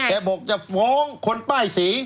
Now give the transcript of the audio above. บอกจะฟ้องคนป้ายสี